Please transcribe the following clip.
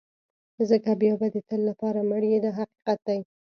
ځکه بیا به د تل لپاره مړ یې دا حقیقت دی.